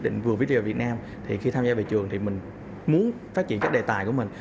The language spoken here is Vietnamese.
định vừa video ở việt nam thì khi tham gia về trường thì mình muốn phát triển các đề tài của mình